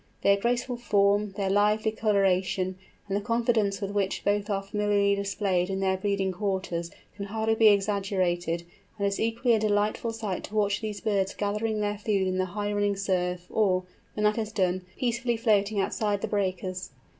"Their graceful form, their lively colouration, and the confidence with which both are familiarly displayed in their breeding quarters can hardly be exaggerated, and it is equally a delightful sight to watch these birds gathering their food in the high running surf, or, when that is done, peacefully floating outside the breakers."